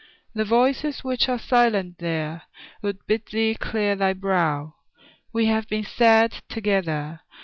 The voices which are silent there Would bid thee clear thy brow; We have been sad together.